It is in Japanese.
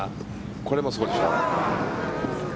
これもそうでしょ。